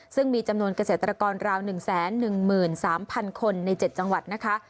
ซึ่งมีจำนวนเกษตรกรราว๑๑๓๐๐คนใน๗จังหวัดนะคะ